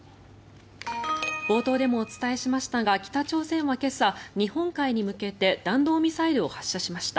冒頭でもお伝えしましたが北朝鮮は今朝日本海に向けて弾道ミサイルを発射しました。